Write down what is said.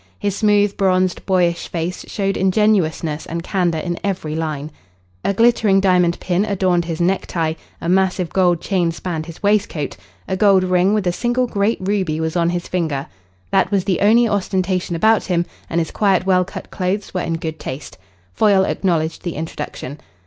His smooth, bronzed boyish face showed ingenuousness and candour in every line. A glittering diamond pin adorned his necktie, a massive gold chain spanned his waistcoat, a gold ring with a single great ruby was on his finger. That was the only ostentation about him, and his quiet, well cut clothes were in good taste. Foyle acknowledged the introduction.